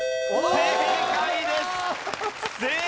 正解です！